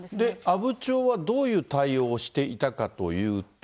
阿武町はどういう対応をしていたかというと。